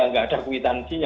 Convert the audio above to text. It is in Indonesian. tidak ada kwitansinya